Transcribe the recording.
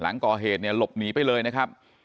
หลังก่อเหตุเนี่ยหลบหนีไปเลยนะครับ